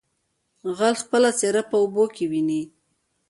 ـ غل خپله څېره په اوبو کې ويني.